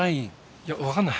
いやわかんない。